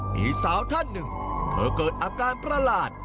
มีสาวท่านหนึ่งเธอเกิดอาการประหลาด